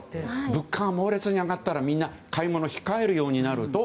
物価が猛烈に上がったらみんな買い物を控えるようになると